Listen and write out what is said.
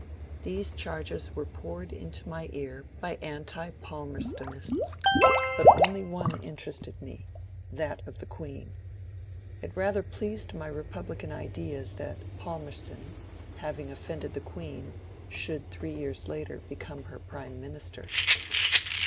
These charges were poured into my ear by anti Palmerstonists, but only one interested me, that of the Queen. It rather pleased my republican ideas that Palmerston, having offended the Queen, should three years later become her prime minister.